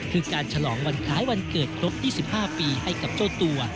คือการฉลองวันคล้ายวันเกิดครบ๒๕ปีให้กับเจ้าตัว